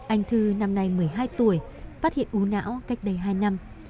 anh thư năm nay một mươi hai tuổi phát hiện u não cách đây hai năm